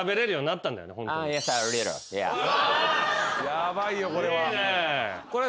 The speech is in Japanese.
ヤバいよこれは。